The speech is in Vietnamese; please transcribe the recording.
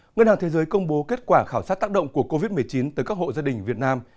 ngân hàng thế giới công bố kết quả khảo sát tác động của covid một mươi chín tới các hộ gia đình việt nam